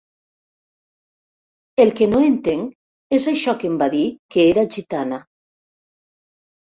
El que no entenc és això que em va dir que era gitana.